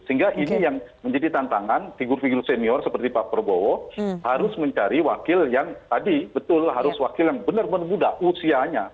sehingga ini yang menjadi tantangan figur figur senior seperti pak prabowo harus mencari wakil yang tadi betul harus wakil yang benar benar muda usianya